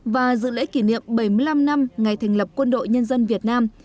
và dự lễ kỷ niệm bảy mươi năm năm ngày thành lập quân đội nhân dân việt nam